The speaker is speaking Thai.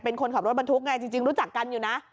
เป็นคนขับรถบรรทุกไงจริงรู้จักกันอยู่นะ